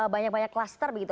banyak banyak cluster begitu